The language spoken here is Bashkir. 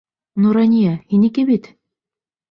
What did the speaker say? Нурания, һинеке бит?